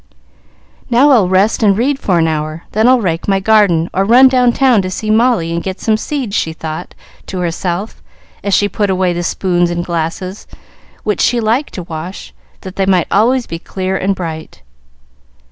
"Now, I'll rest and read for an hour, then I'll rake my garden, or run down town to see Molly and get some seeds," she thought to herself, as she put away the spoons and glasses, which she liked to wash, that they might always be clear and bright.